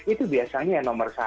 itu biasanya nomor satu